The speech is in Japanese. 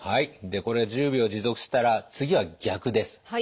でこれが１０秒持続したら次は逆です。